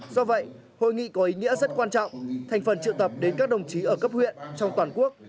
do vậy hội nghị có ý nghĩa rất quan trọng thành phần triệu tập đến các đồng chí ở cấp huyện trong toàn quốc